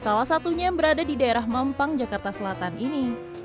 salah satunya yang berada di daerah mampang jakarta selatan ini